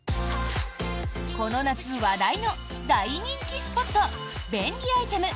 この夏話題の大人気スポット、便利アイテム